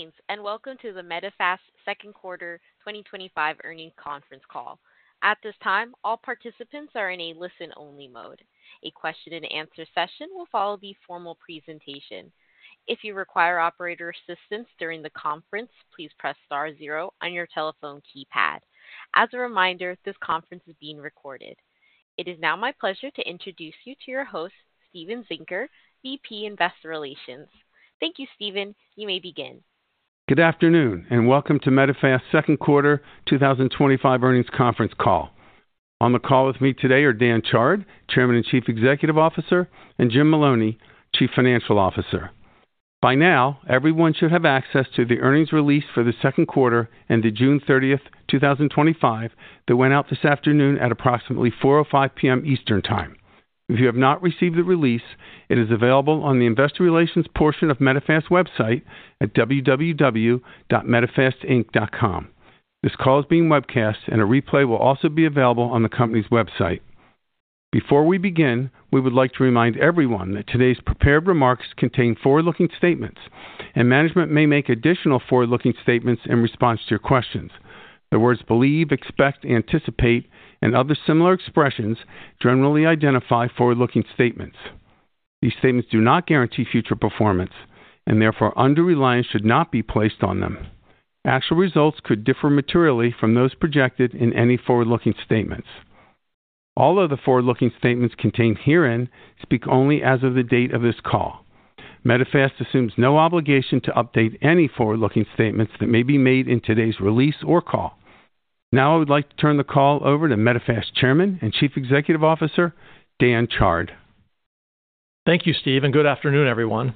Meetings, and welcome to the Medifast Second Quarter 2025 Earnings Conference Call. At this time, all participants are in a listen-only mode. A question and answer session will follow the formal presentation. If you require operator assistance during the conference, please press star zero on your telephone keypad. As a reminder, this conference is being recorded. It is now my pleasure to introduce you to your host, Steven Zenker, Vice President Investor Relations. Thank you, Steven. You may begin. Good afternoon and welcome to Medifast Second Quarter 2025 Earnings Conference Call. On the call with me today are Dan Chard, Chairman and Chief Executive Officer, and Jim Maloney, Chief Financial Officer. By now, everyone should have access to the earnings release for the second quarter ended June 30, 2025, that went out this afternoon at approximately 4:05 P.M. Eastern Time. If you have not received the release, it is available on the Investor Relations portion of Medifast's website at www.medifastinc.com. This call is being webcast, and a replay will also be available on the company's website. Before we begin, we would like to remind everyone that today's prepared remarks contain forward-looking statements, and management may make additional forward-looking statements in response to your questions. The words "believe," "expect," "anticipate" and other similar expressions generally identify forward-looking statements. These statements do not guarantee future performance, and therefore under-reliance should not be placed on them. Actual results could differ materially from those projected in any forward-looking statements. All other forward-looking statements contained herein speak only as of the date of this call. Medifast assumes no obligation to update any forward-looking statements that may be made in today's release or call. Now I would like to turn the call over to Medifast Chairman and Chief Executive Officer, Dan Chard. Thank you, Steve, and good afternoon, everyone.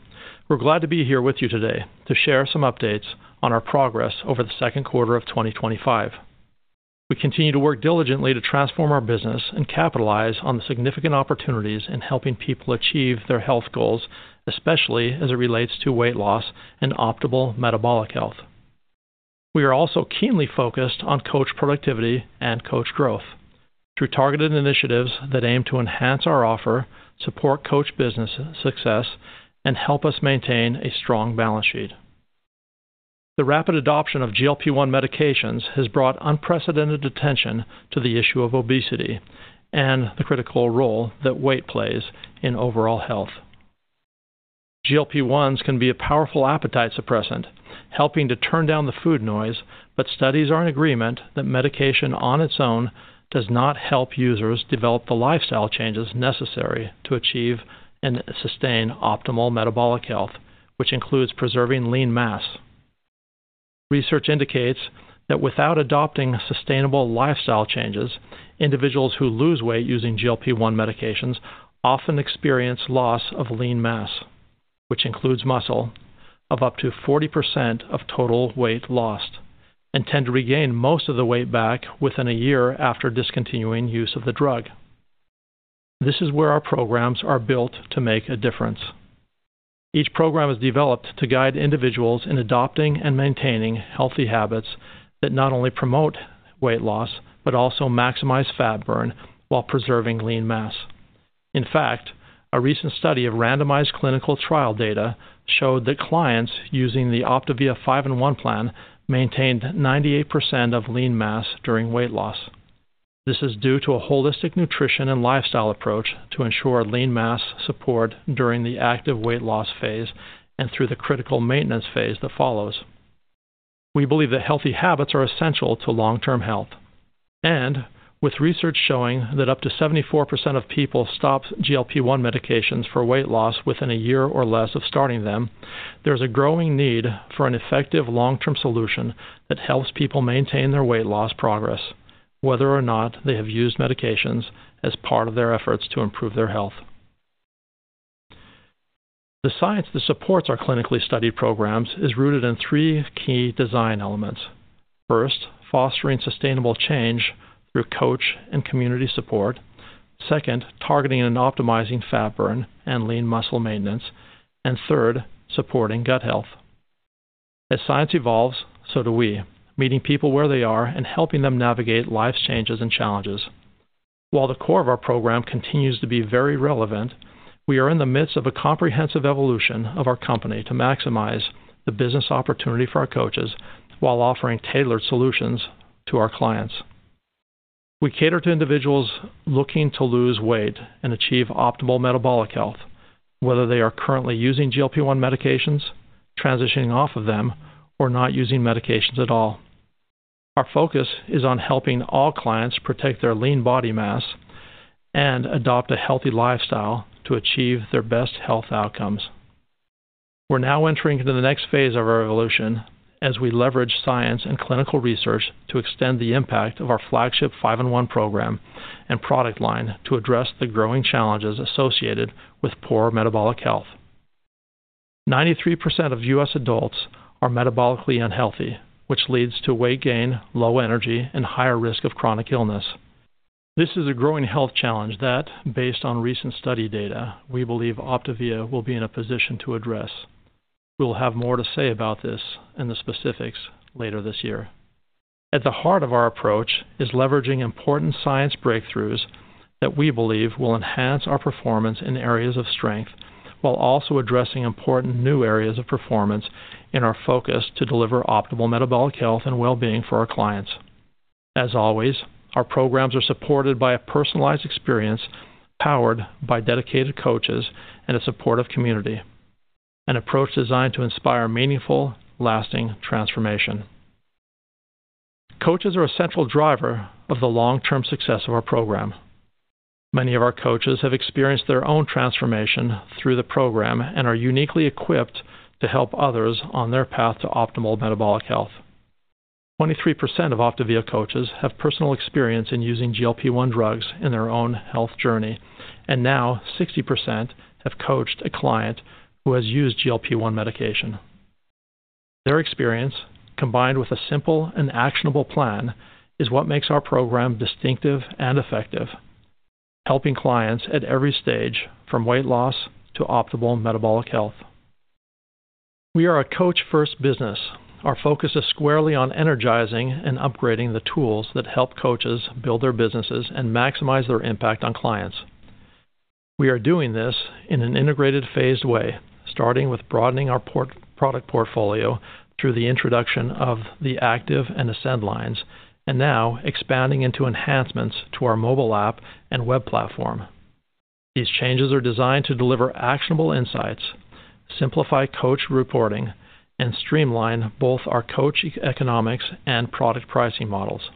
We're glad to be here with you today to share some updates on our progress over the second quarter of 2025. We continue to work diligently to transform our business and capitalize on the significant opportunities in helping people achieve their health goals, especially as it relates to weight loss and optimal metabolic health. We are also keenly focused on coach productivity and coach growth through targeted initiatives that aim to enhance our offer, support coach business success, and help us maintain a strong balance sheet. The rapid adoption of GLP-1 medications has brought unprecedented attention to the issue of obesity and the critical role that weight plays in overall health. GLP-1s can be a powerful appetite suppressant, helping to turn down the food noise, but studies are in agreement that medication on its own does not help users develop the lifestyle changes necessary to achieve and sustain optimal metabolic health, which includes preserving lean mass. Research indicates that without adopting sustainable lifestyle changes, individuals who lose weight using GLP-1 medications often experience loss of lean mass, which includes muscle, of up to 40% of total weight lost, and tend to regain most of the weight back within a year after discontinuing use of the drug. This is where our programs are built to make a difference. Each program is developed to guide individuals in adopting and maintaining healthy habits that not only promote weight loss but also maximize fat burn while preserving lean mass. In fact, a recent study of randomized clinical trial data showed that clients using the OPTAVIA 5-in-1 plan maintained 98% of lean mass during weight loss. This is due to a holistic nutrition and lifestyle approach to ensure lean mass support during the active weight loss phase and through the critical maintenance phase that follows. We believe that healthy habits are essential to long-term health. With research showing that up to 74% of people stop GLP-1 medications for weight loss within a year or less of starting them, there's a growing need for an effective long-term solution that helps people maintain their weight loss progress, whether or not they have used medications as part of their efforts to improve their health. The science that supports our clinically studied programs is rooted in three key design elements: first, fostering sustainable change through coach and community support, second, targeting and optimizing fat burn and lean muscle maintenance, and third, supporting gut health. As science evolves, so do we, meeting people where they are and helping them navigate life's changes and challenges. While the core of our program continues to be very relevant, we are in the midst of a comprehensive evolution of our company to maximize the business opportunity for our coaches while offering tailored solutions to our clients. We cater to individuals looking to lose weight and achieve optimal metabolic health, whether they are currently using GLP-1 medications, transitioning off of them, or not using medications at all. Our focus is on helping all clients protect their lean body mass and adopt a healthy lifestyle to achieve their best health outcomes. We're now entering the next phase of our evolution as we leverage science and clinical research to extend the impact of our flagship 5-in-1 plan and product line to address the growing challenges associated with poor metabolic health. 93% of U.S. adults are metabolically unhealthy, which leads to weight gain, low energy, and higher risk of chronic illness. This is a growing health challenge that, based on recent study data, we believe OPTAVIA will be in a position to address. We'll have more to say about this and the specifics later this year. At the heart of our approach is leveraging important science breakthroughs that we believe will enhance our performance in areas of strength while also addressing important new areas of performance in our focus to deliver optimal metabolic health and well-being for our clients. As always, our programs are supported by a personalized experience powered by dedicated coaches and a supportive community, an approach designed to inspire meaningful, lasting transformation. Coaches are a central driver of the long-term success of our program. Many of our coaches have experienced their own transformation through the program and are uniquely equipped to help others on their path to optimal metabolic health. 23% of OPTAVIA coaches have personal experience in using GLP-1 medications in their own health journey, and now 60% have coached a client who has used GLP-1 medication. Their experience, combined with a simple and actionable plan, is what makes our program distinctive and effective, helping clients at every stage from weight loss to optimal metabolic health. We are a coach-first business. Our focus is squarely on energizing and upgrading the tools that help coaches build their businesses and maximize their impact on clients. We are doing this in an integrated, phased way, starting with broadening our product portfolio through the introduction of the ACTIVE and ASCEND lines and now expanding into enhancements to our mobile app and web platform. These changes are designed to deliver actionable insights, simplify coach reporting, and streamline both our coach economics and product pricing models.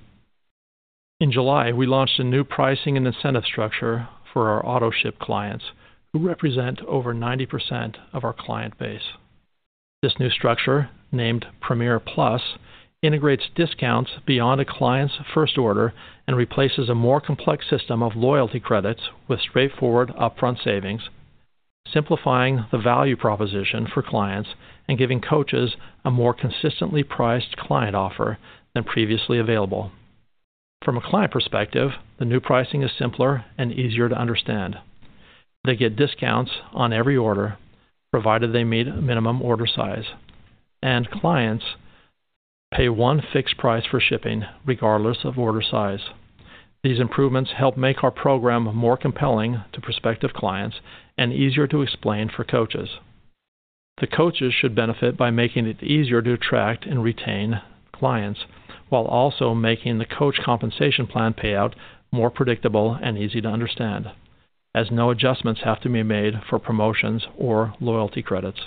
In July, we launched a new pricing and incentive structure for our auto-ship clients, who represent over 90% of our client base. This new structure, named Premier Plus, integrates discounts beyond a client's first order and replaces a more complex system of loyalty credits with straightforward upfront savings, simplifying the value proposition for clients and giving coaches a more consistently priced client offer than previously available. From a client perspective, the new pricing is simpler and easier to understand. They get discounts on every order provided they meet a minimum order size, and clients pay one fixed price for shipping regardless of order size. These improvements help make our program more compelling to prospective clients and easier to explain for coaches. The coaches should benefit by making it easier to attract and retain clients while also making the coach compensation plan payout more predictable and easy to understand, as no adjustments have to be made for promotions or loyalty credits.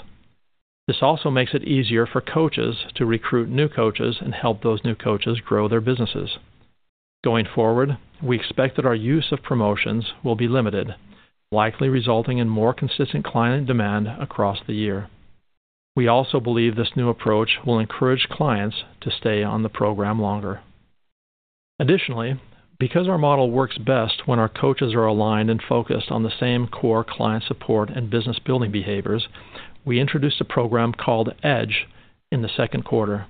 This also makes it easier for coaches to recruit new coaches and help those new coaches grow their businesses. Going forward, we expect that our use of promotions will be limited, likely resulting in more consistent client demand across the year. We also believe this new approach will encourage clients to stay on the program longer. Additionally, because our model works best when our coaches are aligned and focused on the same core client support and business-building behaviors, we introduced a program called Edge in the second quarter,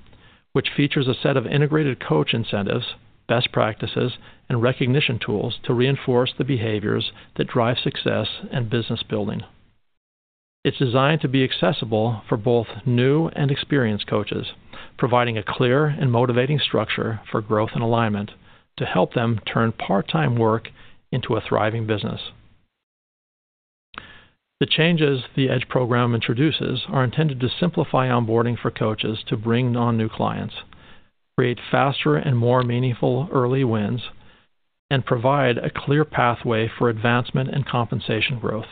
which features a set of integrated coach incentives, best practices, and recognition tools to reinforce the behaviors that drive success and business building. It's designed to be accessible for both new and experienced coaches, providing a clear and motivating structure for growth and alignment to help them turn part-time work into a thriving business. The changes the Edge program introduces are intended to simplify onboarding for coaches to bring non-new clients, create faster and more meaningful early wins, and provide a clear pathway for advancement and compensation growth.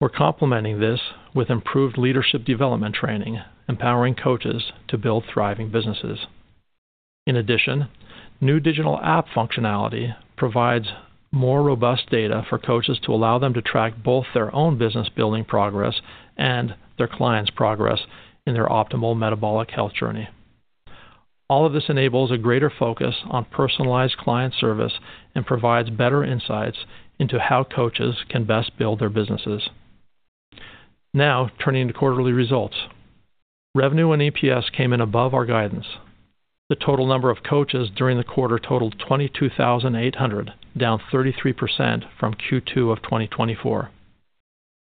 We're complementing this with improved leadership development training, empowering coaches to build thriving businesses. In addition, new digital app functionality provides more robust data for coaches to allow them to track both their own business-building progress and their clients' progress in their optimal metabolic health journey. All of this enables a greater focus on personalized client service and provides better insights into how coaches can best build their businesses. Now, turning to quarterly results, revenue and EPS came in above our guidance. The total number of coaches during the quarter totaled 22,800, down 33% from Q2 2024.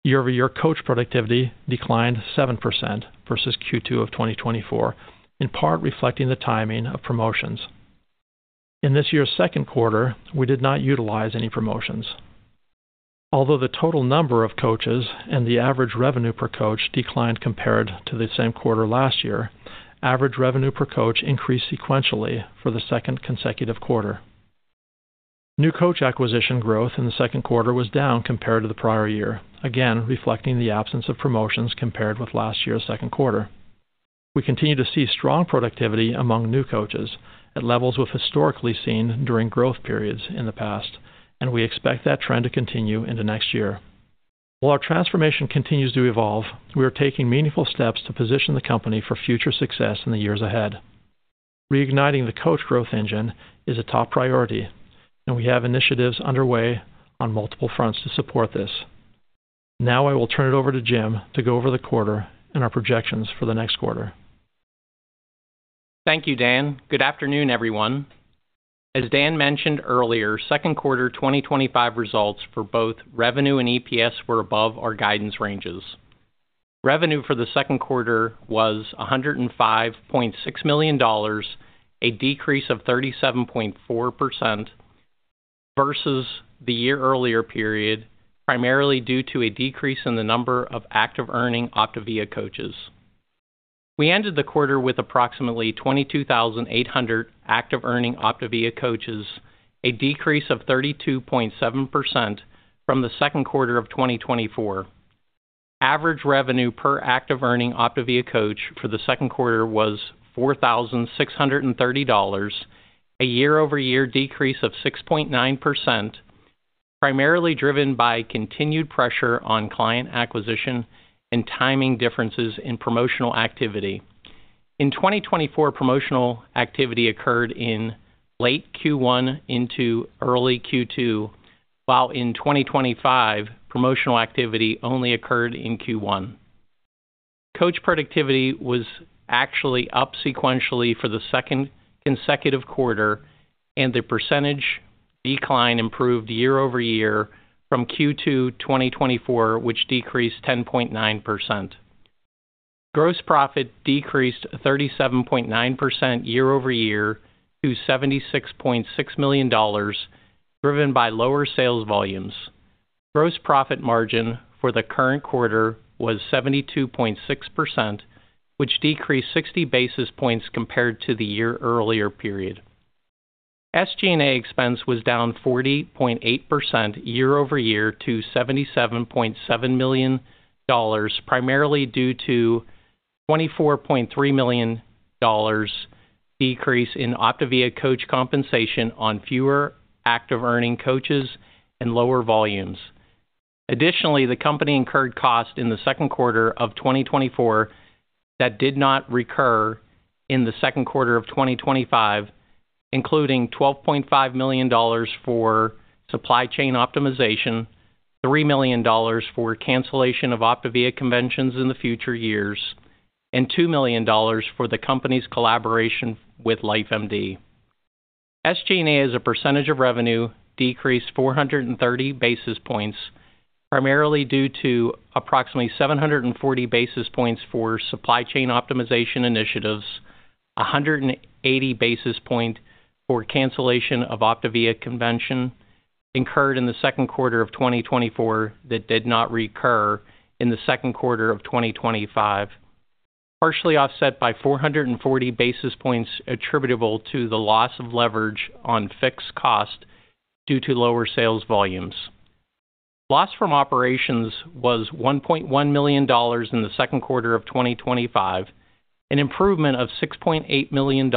Year-over-year coach productivity declined 7% versus Q2 2024, in part reflecting the timing of promotions. In this year's second quarter, we did not utilize any promotions. Although the total number of coaches and the average revenue per coach declined compared to the same quarter last year, average revenue per coach increased sequentially for the second consecutive quarter. New coach acquisition growth in the second quarter was down compared to the prior year, again reflecting the absence of promotions compared with last year's second quarter. We continue to see strong productivity among new coaches at levels we've historically seen during growth periods in the past, and we expect that trend to continue into next year. While our transformation continues to evolve, we are taking meaningful steps to position the company for future success in the years ahead. Reigniting the coach growth engine is a top priority, and we have initiatives underway on multiple fronts to support this. Now I will turn it over to Jim to go over the quarter and our projections for the next quarter. Thank you, Dan. Good afternoon, everyone. As Dan mentioned earlier, second quarter 2025 results for both revenue and EPS were above our guidance ranges. Revenue for the second quarter was $105.6 million, a decrease of 37.4% versus the year earlier period, primarily due to a decrease in the number of active earning OPTAVIA coaches. We ended the quarter with approximately 22,800 active earning OPTAVIA coaches, a decrease of 32.7% from the second quarter of 2024. Average revenue per active earning OPTAVIA coach for the second quarter was $4,630, a year-over-year decrease of 6.9%, primarily driven by continued pressure on client acquisition and timing differences in promotional activity. In 2024, promotional activity occurred in late Q1 into early Q2, while in 2025, promotional activity only occurred in Q1. Coach productivity was actually up sequentially for the second consecutive quarter, and the percentage decline improved year-over-year from Q2 2024, which decreased 10.9%. Gross profit decreased 37.9% year-over-year to $76.6 million, driven by lower sales volumes. Gross profit margin for the current quarter was 72.6%, which decreased 60 basis points compared to the year earlier period. SG&A expense was down 40.8% year-over-year to $77.7 million, primarily due to a $24.3 million decrease in OPTAVIA coach compensation on fewer active earning coaches and lower volumes. Additionally, the company incurred costs in the second quarter of 2024 that did not recur in the second quarter of 2025, including $12.5 million for supply chain optimization, $3 million for cancellation of OPTAVIA conventions in the future years, and $2 million for the company's collaboration with LifeMD. SG&A as a percentage of revenue decreased 430 basis points, primarily due to approximately 740 basis points for supply chain optimization initiatives, 180 basis points for cancellation of OPTAVIA convention incurred in the second quarter of 2024 that did not recur in the second quarter of 2025, partially offset by 440 basis points attributable to the loss of leverage on fixed cost due to lower sales volumes. Loss from operations was $1.1 million in the second quarter of 2025, an improvement of $6.8 million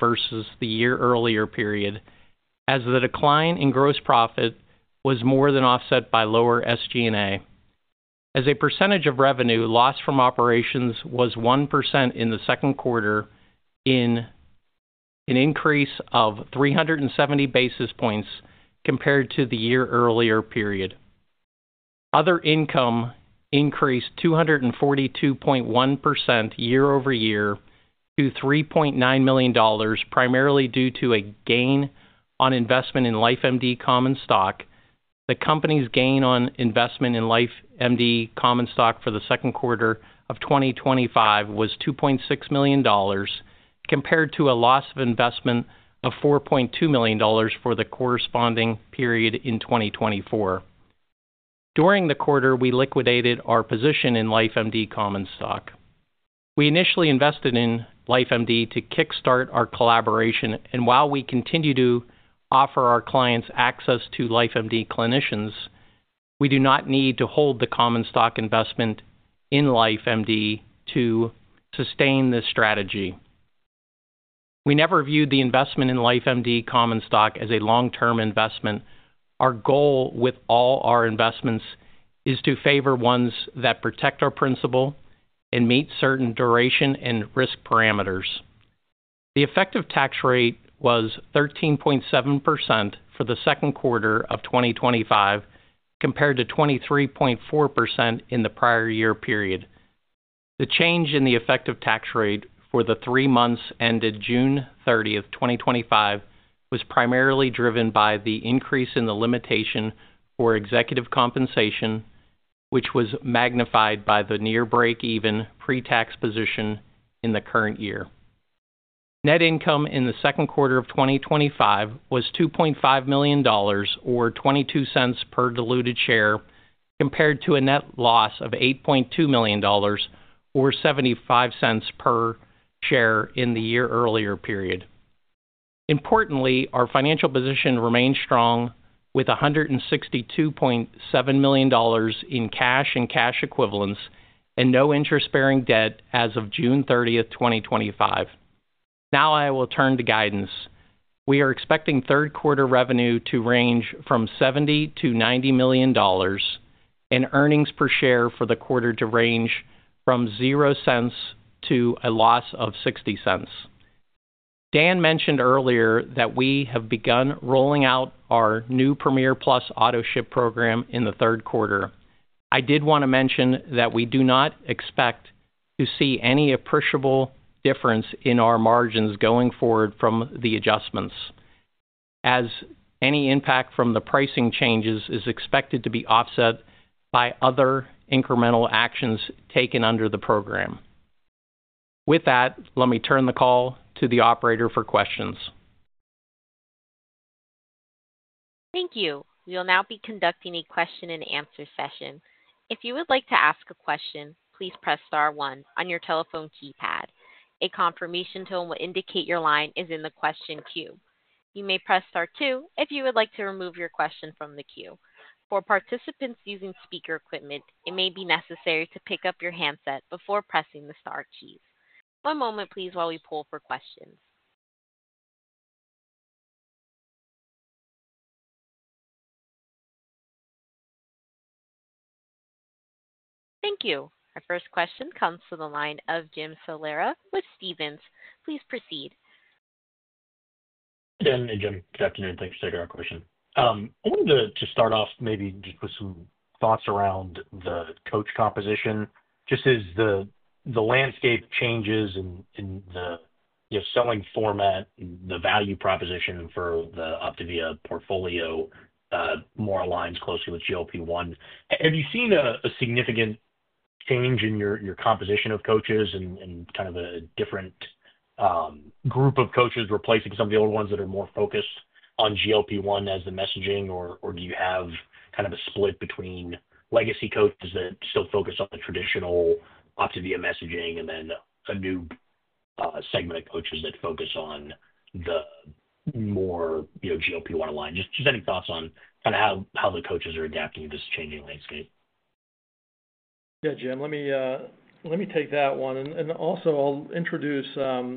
versus the year earlier period, as the decline in gross profit was more than offset by lower SG&A. As a percentage of revenue, loss from operations was 1% in the second quarter, an increase of 370 basis points compared to the year earlier period. Other income increased 242.1% year-over-year to $3.9 million, primarily due to a gain on investment in LifeMD common stock. The company's gain on investment in LifeMD common stock for the second quarter of 2025 was $2.6 million compared to a loss of investment of $4.2 million for the corresponding period in 2024. During the quarter, we liquidated our position in LifeMD common stock. We initially invested in LifeMD to kickstart our collaboration, and while we continue to offer our clients access to LifeMD clinicians, we do not need to hold the common stock investment in LifeMD to sustain this strategy. We never viewed the investment in LifeMD common stock as a long-term investment. Our goal with all our investments is to favor ones that protect our principal and meet certain duration and risk parameters. The effective tax rate was 13.7% for the second quarter of 2025 compared to 23.4% in the prior year period. The change in the effective tax rate for the three months ended June 30th, 2025, was primarily driven by the increase in the limitation for executive compensation, which was magnified by the near break-even pre-tax position in the current year. Net income in the second quarter of 2025 was $2.5 million or $0.22 per diluted share compared to a net loss of $8.2 million or $0.75 per share in the year earlier period. Importantly, our financial position remains strong with $162.7 million in cash and cash equivalents and no interest-bearing debt as of June 30, 2025. Now I will turn to guidance. We are expecting third quarter revenue to range from $70 million to $90 million and earnings per share for the quarter to range from $0.00 to a loss of $0.60. Dan mentioned earlier that we have begun rolling out our new Premier Plus auto-ship program in the third quarter. I did want to mention that we do not expect to see any appreciable difference in our margins going forward from the adjustments, as any impact from the pricing changes is expected to be offset by other incremental actions taken under the program. With that, let me turn the call to the operator for questions. Thank you. We'll now be conducting a question and answer session. If you would like to ask a question, please press star one on your telephone keypad. A confirmation tone will indicate your line is in the question queue. You may press star two if you would like to remove your question from the queue. For participants using speaker equipment, it may be necessary to pick up your handset before pressing the star key. One moment, please, while we pull for questions. Thank you. Our first question comes to the line of Jim Salera with Stephens. Please proceed. Good afternoon, Jim. Good afternoon. Thanks for taking our question. I wanted to start off maybe just with some thoughts around the coach composition. As the landscape changes and the, you know, selling format and the value proposition for the OPTAVIA portfolio more aligns closely with GLP-1, have you seen a significant change in your composition of coaches and kind of a different group of coaches replacing some of the older ones that are more focused on GLP-1 as the messaging? Or do you have kind of a split between legacy coaches that still focus on the traditional OPTAVIA messaging and then a new segment of coaches that focus on the more, you know, GLP-1 aligned? Just any thoughts on kind of how the coaches are adapting to this changing landscape. Yeah, Jim, let me take that one. I'll introduce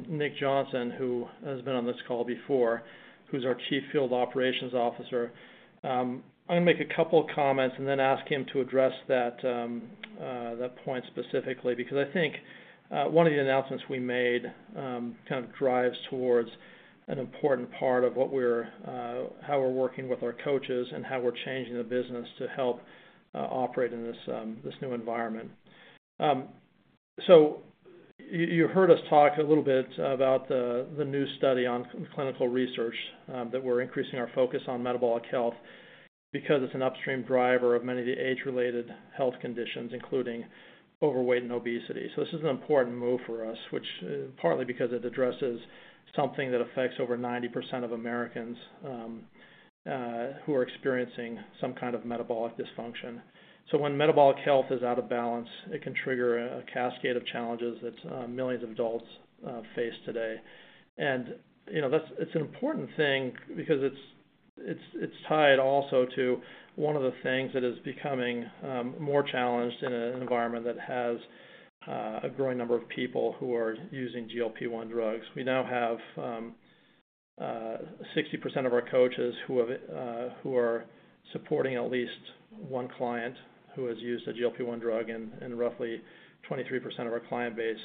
Nick Johnson, who has been on this call before, who's our Chief Field Operations Officer. I'm going to make a couple of comments and then ask him to address that point specifically because I think one of the announcements we made drives towards an important part of how we're working with our coaches and how we're changing the business to help operate in this new environment. You heard us talk a little bit about the new study on clinical research, that we're increasing our focus on metabolic health because it's an upstream driver of many of the age-related health conditions, including overweight and obesity. This is an important move for us, which is partly because it addresses something that affects over 90% of Americans, who are experiencing some kind of metabolic dysfunction. When metabolic health is out of balance, it can trigger a cascade of challenges that millions of adults face today. It's an important thing because it's tied also to one of the things that is becoming more challenged in an environment that has a growing number of people who are using GLP-1 drugs. We now have 60% of our coaches who are supporting at least one client who has used a GLP-1 drug, and roughly 23% of our client base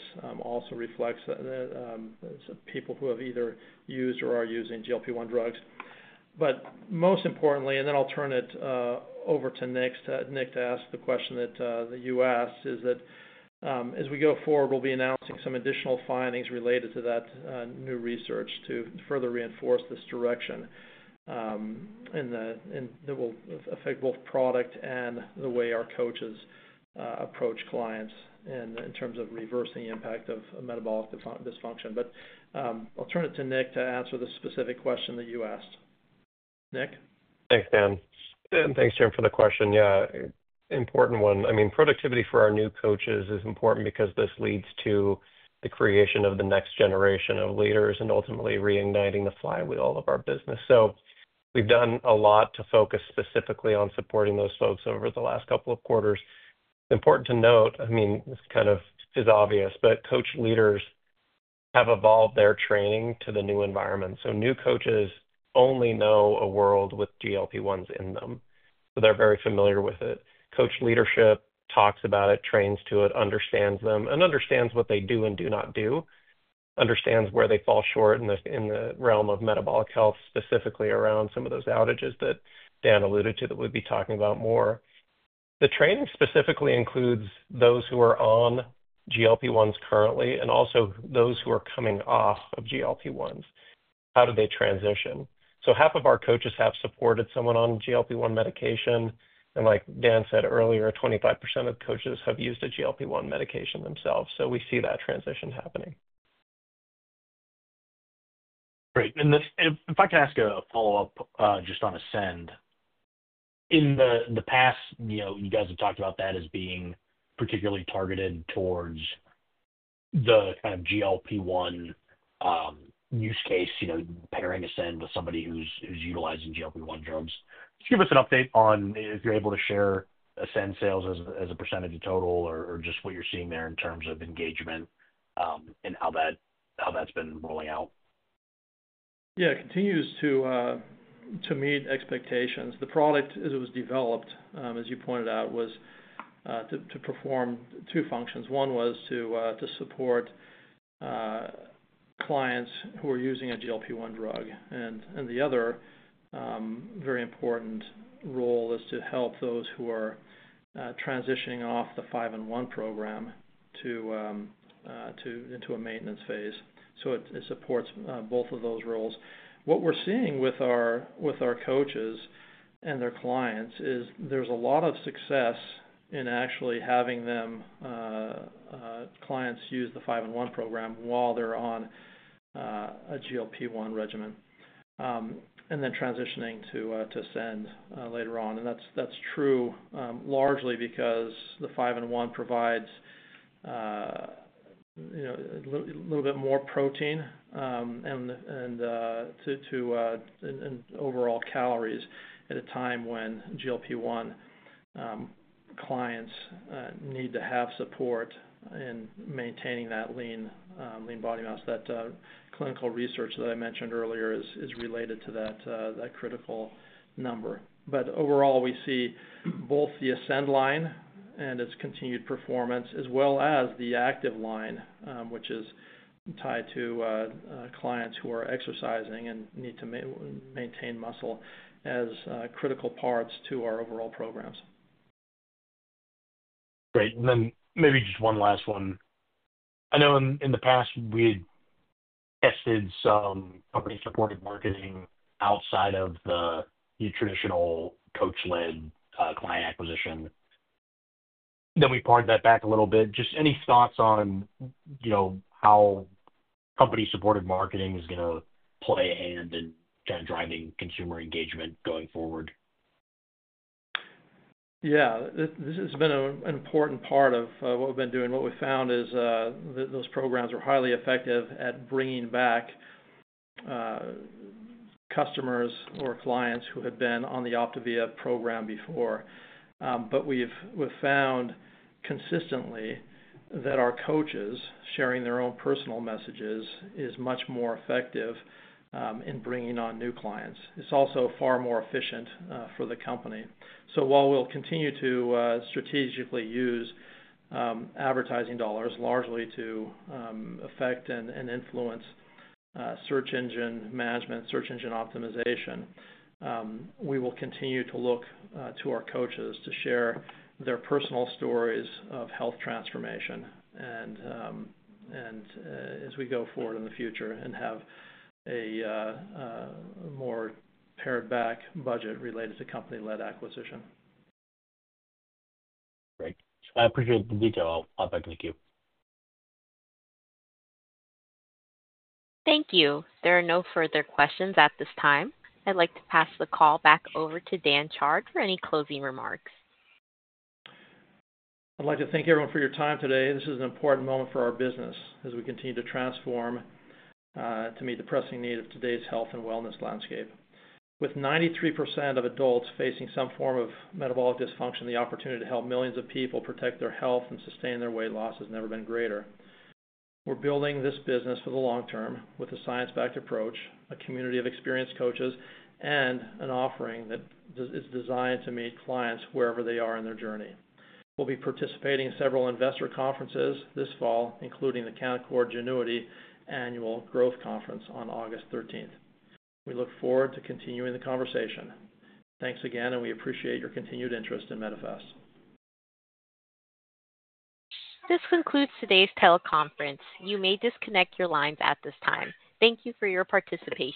also reflects that, people who have either used or are using GLP-1 drugs. Most importantly, as we go forward, we'll be announcing some additional findings related to that new research to further reinforce this direction, and that will affect both product and the way our coaches approach clients in terms of reversing the impact of metabolic dysfunction. I'll turn it to Nick to answer the specific question that you asked. Nick? Thanks, Dan. Thanks, Jim, for the question. Yeah, an important one. Productivity for our new coaches is important because this leads to the creation of the next generation of leaders and ultimately reigniting the flywheel of our business. We've done a lot to focus specifically on supporting those folks over the last couple of quarters. It's important to note, this kind of is obvious, but coach leaders have evolved their training to the new environment. New coaches only know a world with GLP-1s in them, so they're very familiar with it. Coach leadership talks about it, trains to it, understands them, and understands what they do and do not do, understands where they fall short in the realm of metabolic health, specifically around some of those outages that Dan alluded to that we'd be talking about more. The training specifically includes those who are on GLP-1s currently and also those who are coming off of GLP-1s. How do they transition? Half of our coaches have supported someone on GLP-1 medication, and like Dan said earlier, 25% of coaches have used a GLP-1 medication themselves. We see that transition happening. Great. If I can ask a follow-up just on ASCEND, in the past, you guys have talked about that as being particularly targeted towards the kind of GLP-1 use case, pairing ASCEND with somebody who's utilizing GLP-1 drugs. Just give us an update on if you're able to share ASCEND sales as a percentage of total or just what you're seeing there in terms of engagement, and how that's been rolling out. Yeah, it continues to meet expectations. The product, as it was developed, as you pointed out, was to perform two functions. One was to support clients who are using a GLP-1 drug. The other, very important role is to help those who are transitioning off the 5-in-1 program into a maintenance phase. It supports both of those roles. What we're seeing with our coaches and their clients is there's a lot of success in actually having clients use the 5-in-1 program while they're on a GLP-1 regimen, and then transitioning to ASCEND later on. That's true, largely because the 5-in-1 provides a little bit more protein and overall calories at a time when GLP-1 clients need to have support in maintaining that lean mass. That clinical research that I mentioned earlier is related to that critical number. Overall, we see both the ASCEND line and its continued performance, as well as the ACTIVE line, which is tied to clients who are exercising and need to maintain muscle, as critical parts to our overall programs. Great. Maybe just one last one. I know in the past, we had tested some company-supported marketing outside of the traditional coach-led client acquisition. We pared that back a little bit. Just any thoughts on how company-supported marketing is going to play a hand in kind of driving consumer engagement going forward? Yeah, this has been an important part of what we've been doing. What we found is that those programs are highly effective at bringing back customers or clients who had been on the OPTAVIA program before. We've found consistently that our coaches sharing their own personal messages are much more effective in bringing on new clients. It's also far more efficient for the company. While we'll continue to strategically use advertising dollars largely to affect and influence search engine management, search engine optimization, we will continue to look to our coaches to share their personal stories of health transformation as we go forward in the future and have a more pared-back budget related to company-led acquisition. Great. I appreciate the detail. I'll be back with you. Thank you. There are no further questions at this time. I'd like to pass the call back over to Dan Chard for any closing remarks. I'd like to thank everyone for your time today. This is an important moment for our business as we continue to transform to meet the pressing need of today's health and wellness landscape. With 93% of adults facing some form of metabolic dysfunction, the opportunity to help millions of people protect their health and sustain their weight loss has never been greater. We're building this business for the long term with a science-backed approach, a community of experienced coaches, and an offering that is designed to meet clients wherever they are in their journey. We'll be participating in several investor conferences this fall, including the Canaccord Genuity Annual Growth Conference on August 13th. We look forward to continuing the conversation. Thanks again, and we appreciate your continued interest in Medifast. This concludes today's teleconference. You may disconnect your lines at this time. Thank you for your participation.